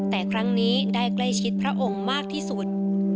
แต่ครั้งนี้ได้ใกล้ชิดพระองค์มากที่สุด